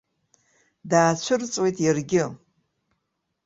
Даацәырҵуеит иаргьы.